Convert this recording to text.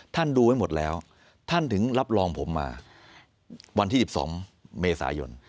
ดูไว้หมดแล้วท่านถึงรับรองผมมาวันที่๑๒เมษายน